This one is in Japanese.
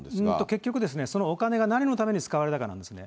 結局ですね、そのお金が何のために使われたかなんですね。